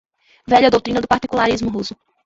velha doutrina do particularismo russo